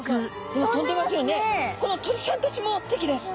この鳥さんたちも敵です。